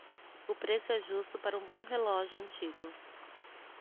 O preço é justo para um bom relógio antigo.